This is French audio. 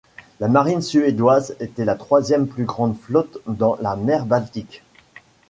La marine suédoise était la troisième plus grande flotte dans la mer Baltique.